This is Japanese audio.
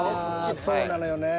ああそうなのよね。